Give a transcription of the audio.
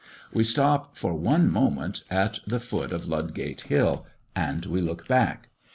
We stop for one moment at the foot of Ludgate hill, and look back.